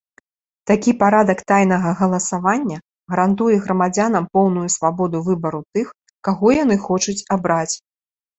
Такі парадак тайнага галасавання гарантуе грамадзянам поўную свабоду выбару тых, каго яны хочуць абраць.